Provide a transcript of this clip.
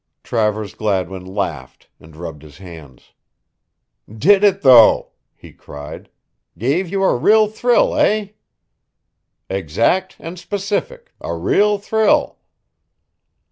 Travers Gladwin laughed and rubbed his hands. "Did it, though?" he cried. "Gave you a real thrill, eh?" "Exact and specific a real thrill."